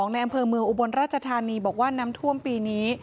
ในอำเภอเมืองอุบลราชธานีบอกว่าน้ำท่วมปีนี้